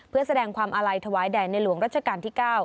เพื่อแสดงความอาลัยถวายแด่ในหลวงรัชกาลที่๙